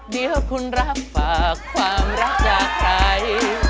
เดี๋ยวคุณรับฝากความรักจากใคร